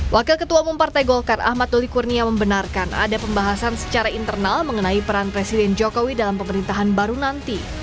wakil ketua umum partai golkar ahmad doli kurnia membenarkan ada pembahasan secara internal mengenai peran presiden jokowi dalam pemerintahan baru nanti